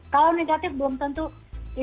kalau negatif belum tentu itu tidak akan berhasil